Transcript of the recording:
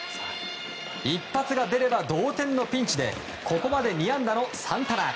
一発が出れば同点のピンチでここまで２安打のサンタナ。